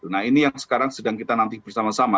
nah ini yang sekarang sedang kita nanti bersama sama